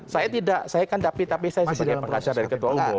saya tidak saya kan tapi saya sebagai pengacara dari ketua umum